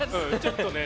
ちょっとね。